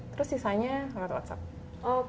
terus sisanya aku ada whatsapp